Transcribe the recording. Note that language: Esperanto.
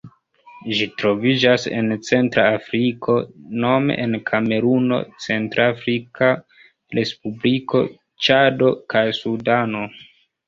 Ĝi troviĝas en centra Afriko nome en Kameruno, Centrafrika Respubliko, Ĉado kaj Sudano.